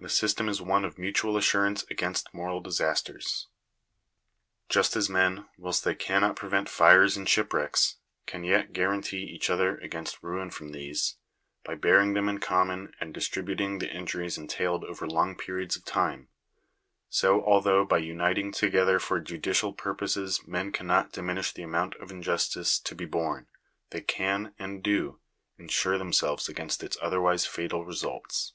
The system is one of mutual assurance against moral disasters. Just as men, Digitized by VjOOQIC THE DUTY OF THE STATE. 269 whilst they cannot prevent fires and shipwrecks, can yet gua rantee each other against ruin from these, by bearing them in common, and distributing the injuries entailed over long pe riods of time; so, although by uniting together for judicial purposes men cannot diminish the amount of injustice to be borne, they can, and do, insure themselves against its otherwise fatal results.